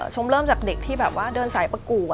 ชมเริ่มจากเด็กที่แบบว่าเดินสายประกวด